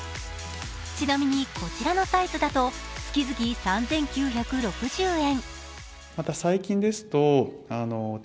ちなみに、こちらのサイズだと月々３９６０円。